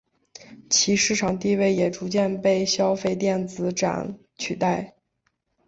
其市场地位也逐渐被消费电子展取代。